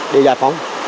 để điều tiết giao thông